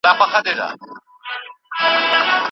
اسلامي امت ته خطاء، هيره او اکراه معاف سوي دي.